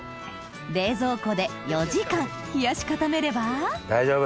冷蔵庫で４時間冷やし固めれば大丈夫。